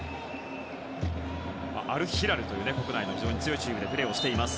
アルヒラルという国内の非常に強いチームでプレーをしています。